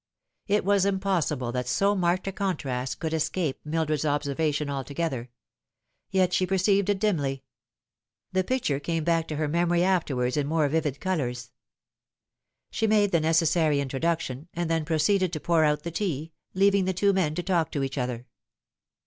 It was impossible that so marked a contrast could escape Mildred's observation altogether ; yet she perceived ii 92 The Fatal Three dimly. The picture came back to her memory afterwards in more vivid colours. She made the necessary introduction, and then proceeded to pour out the tea, leaving the two men to talk to each othnr.